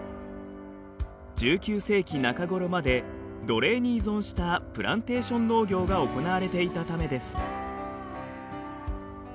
１９世紀中ごろまで奴隷に依存したプランテーション農業が行われていたためです。